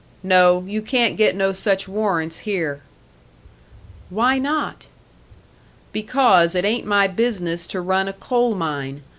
"No, you can't get no such warrants here." "Why not?" "Because it ain't my business to run a coal mine.